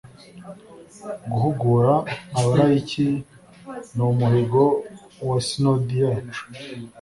guhugura abalayiki ni umuhigo wa sinodi yacu